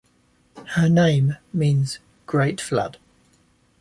Her name means "Great Flood".